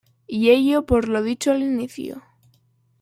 Y ello, por lo dicho al inicio.